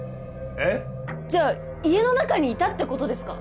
えっ？じゃあ家の中にいたって事ですか？